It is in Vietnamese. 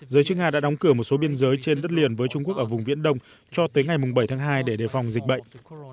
giới chức nga đã đóng cửa một số biên giới trên đất liền với trung quốc ở vùng viễn đông cho tới ngày bảy tháng hai để đề phòng dịch bệnh